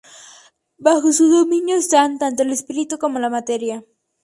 Bajo su dominio están, tanto el espíritu como la materia.